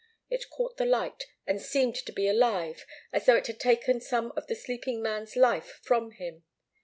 It caught the light and seemed to be alive, as though it had taken some of the sleeping man's life from him.